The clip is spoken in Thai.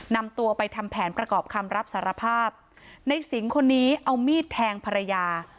นำตัวไปทำแผนประกอบคำรับสารภาพในสิงห์คนนี้เอามีดแทงภรรยา